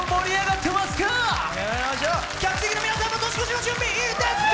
客席の皆さんも年越しの準備いいですか？